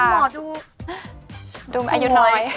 หมอดูดูอายุน้อย